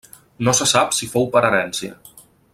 No se sap si fou per herència.